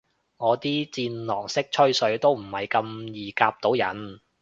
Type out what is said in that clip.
我啲戰狼式吹水都唔係咁易夾到人